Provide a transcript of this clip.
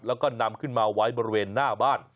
แล้วก็นำขึ้นมาไว้บริเวณหน้าบ้าน